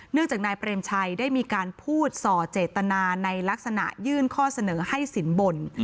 จากนายเปรมชัยได้มีการพูดส่อเจตนาในลักษณะยื่นข้อเสนอให้สินบน